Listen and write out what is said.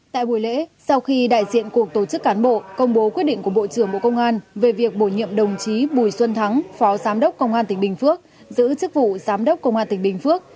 tại buổi lễ sau khi đại diện cuộc tổ chức cán bộ công bố quyết định của bộ trưởng bộ công an về việc bổ nhiệm đồng chí bùi xuân thắng phó giám đốc công an tỉnh bình phước giữ chức vụ giám đốc công an tỉnh bình phước